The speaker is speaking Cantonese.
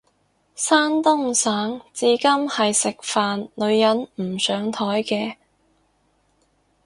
山東省至今係食飯女人唔上枱嘅